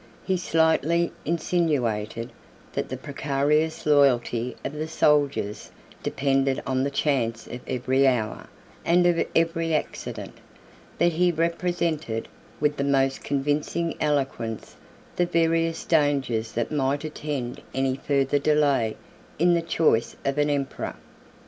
He slightly insinuated, that the precarious loyalty of the soldiers depended on the chance of every hour, and of every accident; but he represented, with the most convincing eloquence, the various dangers that might attend any further delay in the choice of an emperor.